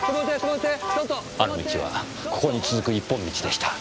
あの道はここに続く一本道でした。